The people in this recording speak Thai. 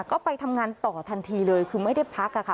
ก็ไปทำงานต่อทันทีเลยคือไม่ได้พักค่ะ